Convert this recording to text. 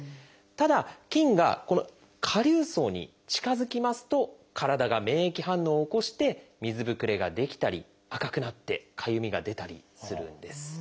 ただ菌がこの顆粒層に近づきますと体が免疫反応を起こして水ぶくれが出来たり赤くなってかゆみが出たりするんです。